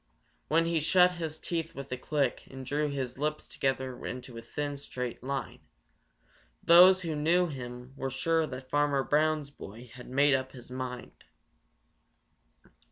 When he shut his teeth with a click and drew his lips together into a thin, straight line, those who knew him were sure that Farmer Brown's boy had made up his mind.